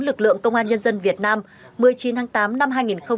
lực lượng công an nhân dân việt nam một mươi chín tháng tám năm hai nghìn hai mươi ba